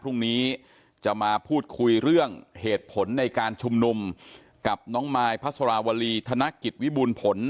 พรุ่งนี้จะมาพูดคุยเรื่องเหตุผลในการชุมนุมกับน้องมายพระสราวรีธนกิจวิบูรณ์ผล